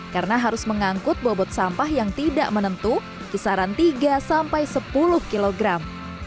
karena harus mengangkut bobot sampah yang tidak menentu kisaran tiga sampai sepuluh kilogram